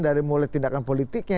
dari mulai tindakan politiknya